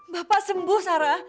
bapak sembuh sarah